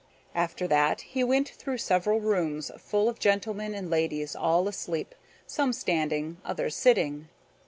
After that he went through several rooms full of gentlemen and ladies, all asleep, some standing, others sitting.